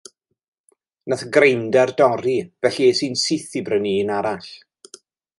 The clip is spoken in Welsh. Nath y greindar dorri felly es i'n syth i brynu un arall.